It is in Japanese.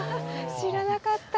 知らなかった